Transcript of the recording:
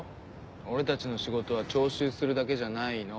俺たちの仕事は徴収するだけじゃないの。